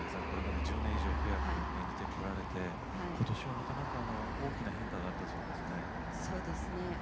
これまで１０年以上ピアフを演じてこられて、ことしはまた大きな変化があったそうですね。